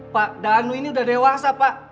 pak danu ini udah dewasa pak